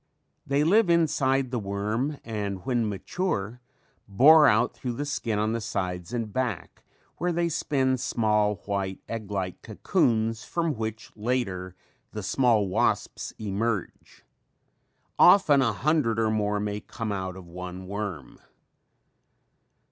They live inside the worm and when mature bore out through the skin on the sides and back where they spin small white egg like cocoons from which later the small wasps emerge. Often a hundred or more may come out of one worm.